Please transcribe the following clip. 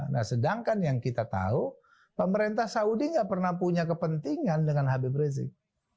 nah sedangkan yang kita tahu pemerintah saudi nggak pernah punya kepentingan dengan habib rizik